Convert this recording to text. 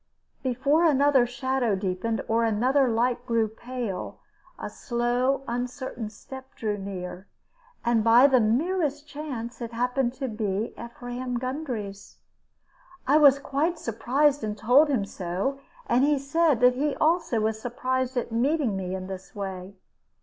Before another shadow deepened or another light grew pale, a slow, uncertain step drew near, and by the merest chance it happened to be Ephraim Gundry's. I was quite surprised, and told him so; and he said that he also was surprised at meeting me in this way.